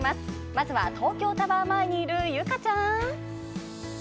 まずは東京タワー前にいる佑香ちゃん。